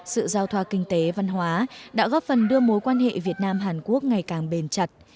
sự giao thoa kinh tế văn hóa đã góp phần đưa mối quan hệ việt nam hàn quốc ngày càng bền chặt